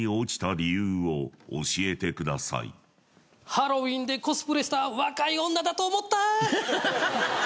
ハロウィンでコスプレした若い女だと思った。